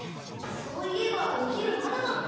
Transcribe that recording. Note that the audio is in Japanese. そういえばお昼まだだった。